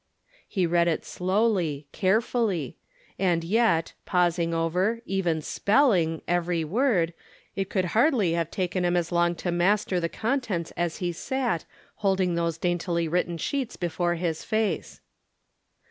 He read it slowly, carefully ; and yet, pausing over, even spelling, every word, it could hardly have taken him as iong to master the contents as he sat, holding those daintily written sheets be fore his face.